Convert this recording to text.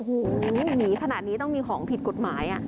โหวหนีขนาดนี้ต้องมีของผิดกฎหมายอ่ะ